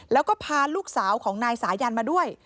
แล้วก็พาลูกสาวของนายสายันมาด้วย